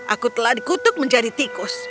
aku telah dikutuk menjadi tikus